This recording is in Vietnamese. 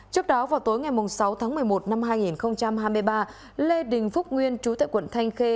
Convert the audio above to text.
trước đó vào tối ngày sáu tháng một mươi một năm hai nghìn hai mươi ba lê đình phúc nguyên chú tại quận thanh khê